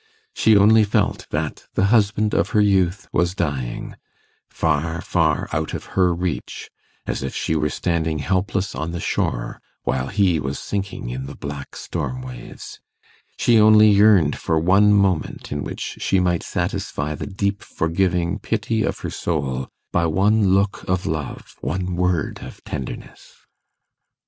She only felt that the husband of her youth was dying; far, far out of her reach, as if she were standing helpless on the shore, while he was sinking in the black storm waves; she only yearned for one moment in which she might satisfy the deep forgiving pity of her soul by one look of love, one word of tenderness.